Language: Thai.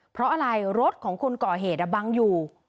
เพราะอะไรรถของคนก่อเหตุบังอยู่